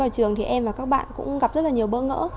nếu vào trường thì em và các bạn cũng gặp rất là nhiều bỡ ngỡ